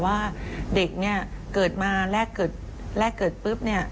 ว่าเด็กเกิดมาแรกเกิดปุ๊บ